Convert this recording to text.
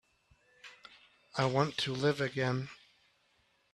I want to live again.